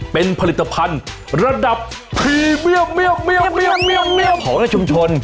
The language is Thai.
เป็นผลิตภัณฑ์ระดับพรีเมียวของในชุมชน